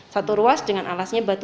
satu ruas dengan alasnya batu